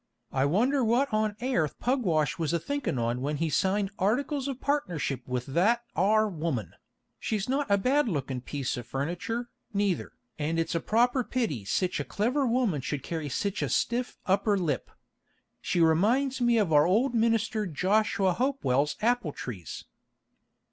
I wonder what on airth Pugwash was a thinkin' on when he signed articles of partnership with that are woman; she's not a bad lookin' piece of furniture, neither, and it's a proper pity sich a clever woman should carry sich a stiff upper lip. She reminds me of our old minister Joshua Hopewell's apple trees.